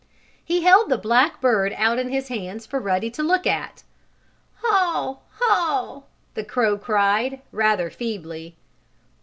He held the black bird out in his hands for Ruddy to look at. "Haw! Haw!" the crow cried, rather feebly.